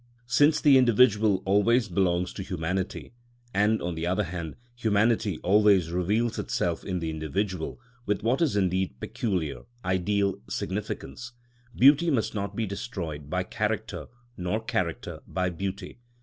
Since the individual always belongs to humanity, and, on the other hand, humanity always reveals itself in the individual with what is indeed peculiar ideal significance, beauty must not be destroyed by character nor character by beauty.